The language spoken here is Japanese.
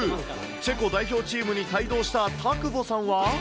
チェコ代表チームに帯同した田久保さんは。